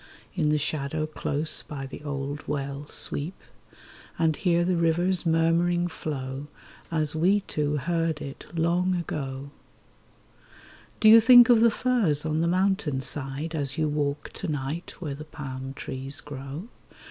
In the shadow close by the old well sweep, And hear the river's murmuring flow As we two heard it long ago. 50 UNDER THE PALM TREES Do you think of the firs on the mountain side As you walk to night where the palm trees grow